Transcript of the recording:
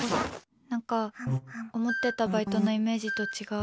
何か、思ってたバイトのイメージと違う。